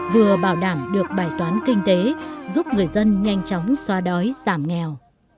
vừa bảo đảm được bài toán kinh tế giúp người dân nhanh chóng xóa đói giảm nghèo